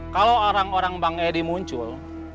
kalau orang orang bang edi muncul